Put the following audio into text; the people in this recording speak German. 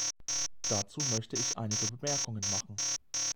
Dazu möchte ich einige Bemerkungen machen.